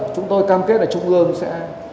chúng tôi cam kết là trung ương sẽ